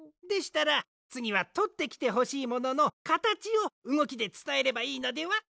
でしたらつぎはとってきてほしいもののかたちをうごきでつたえればいいのでは？